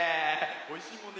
おいしいもんね。